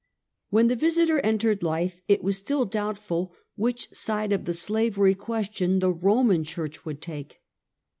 "When the Visiter entered life, it was still doubtful which side of the slavery question the Roman church would take.